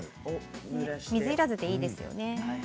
水いらずで、いいですよね。